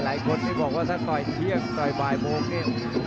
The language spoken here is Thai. หลายคนที่บอกว่าถ้าต่อยเที่ยงต่อยบ่ายโมง